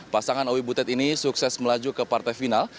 pasangan owi butet ini sukses melaju ke partai final